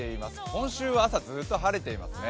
今週は朝、ずっと晴れていますね。